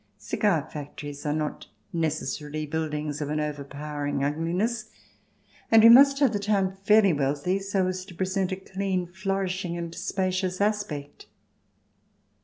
Cigar factories are not necessarily buildings of an overpowering ugliness, and we must have the town fairly wealthy so as to present a clean, flourishing, and spacious aspect.